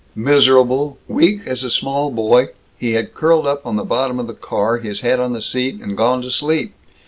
Miserable, weak as a small boy, he had curled up on the bottom of the car, his head on the seat, and gone to sleep.